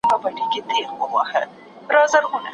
درتا به څنګه نه ځاريږم